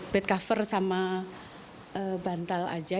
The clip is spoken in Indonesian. bed cover sama bantal aja